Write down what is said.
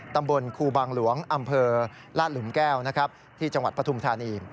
ตำบลครูบางหลวงอำเภอลาดหลุมแก้วที่จังหวัดปฐุมธานี